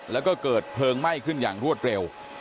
แล้วก็เกิดเพลิงไหม้ขึ้นอย่างรวดเร็ว